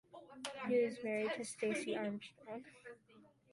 He is married to Staci Armstrong.